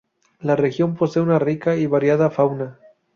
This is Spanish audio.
La región posee una rica y variada fauna.